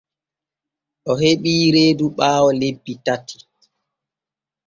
O heɓi reedu ɓaawo lebbi ɗiɗi.